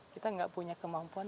kita nggak punya kemampuan